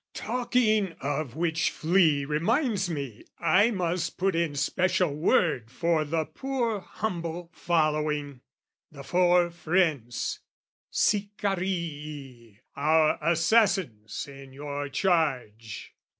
Talking of which flea Reminds me I must put in special word For the poor humble following, the four friends, Sicarii, our assassins in your charge.